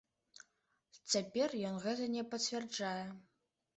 Цяпер ён гэта не пацвярджае.